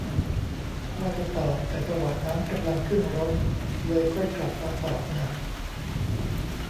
ว่าจะตอบ แต่จังหวะนั้นกำลังขึ้นรถ เลยค่อยกลับมาตอบน่ะ